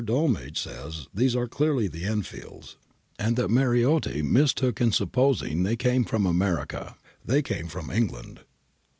Dolmage says these are clearly the Enfields, and that Mariotti mistook in supposing they came from America ; they came from England.